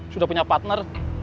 sudah punya partner